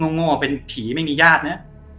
ง่อเป็นผีไม่มีญาตินะ